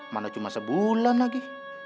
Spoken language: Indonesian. mana cuma sebulan lagi